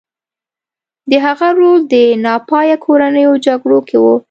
د هغه رول په ناپایه کورنیو جګړو کې و.